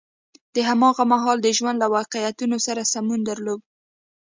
د هماغه مهال د ژوند له واقعیتونو سره سمون درلود.